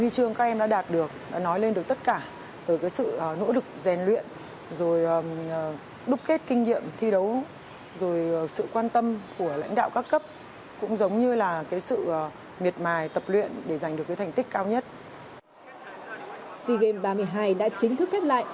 sea games ba mươi hai đã chính thức khép lại